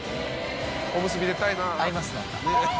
『おむすび』出たいな。